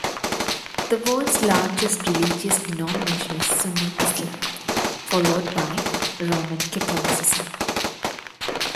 The world's largest religious denomination is Sunni Islam, followed by Roman Catholicism.